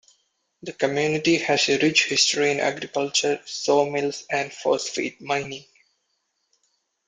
The community has a rich history in agriculture, saw mills, and phosphate mining.